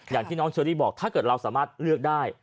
อย่างที่น้องเชอรี่บอกถ้าเกิดเราสามารถเลือกได้